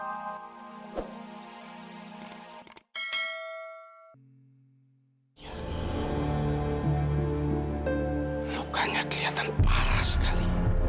lukanya keliatan parah sekali